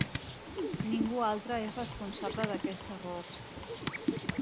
Ningú altre és responsable d'aquest error.